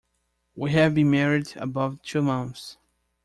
We have been married above two months.